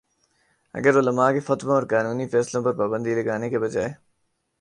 اگر علما کے فتووں اور قانونی فیصلوں پر پابندی لگانے کے بجائے